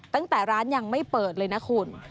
ตั้งแต่ร้านยังไม่เปิดเลยนะคุณ